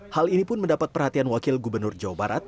hal ini pun mendapat perhatian wakil gubernur jawa barat